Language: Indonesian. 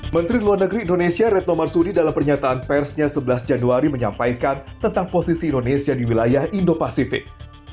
menteri luar negeri indonesia retno marsudi dalam pernyataan persnya sebelas januari menyampaikan tentang posisi indonesia di wilayah indo pasifik